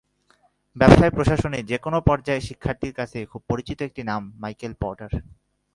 ব্যবসায় প্রশাসনের যেকোনো পর্যায়ের শিক্ষার্থীর কাছে খুব পরিচিত একটি নাম মাইকেল পোর্টার।